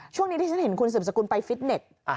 ช่วงนี้ที่ฉันเห็นคุณสืบสกุลไปฟิตเน็ต